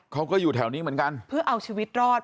เขาก็อยู่แถวนี้เหมือนกันเพื่อเอาชีวิตรอด